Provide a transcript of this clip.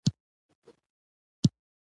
رقیب تل زما د هڅو خنډ وي